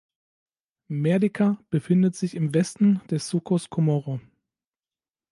Merdeka befindet sich im Westen des Sucos Comoro.